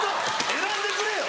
選んでくれよ。